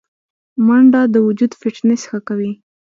منډه د وجود فټنس ښه کوي